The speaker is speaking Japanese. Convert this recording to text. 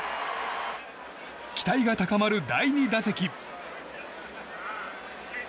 期待が高まる第２打席。